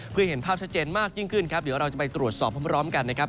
เพื่อเห็นภาพชัดเจนมากยิ่งขึ้นครับเดี๋ยวเราจะไปตรวจสอบพร้อมกันนะครับ